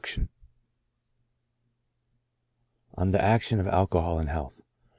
176 ON THE ACTION OF ALCOHOL IN HEALTH.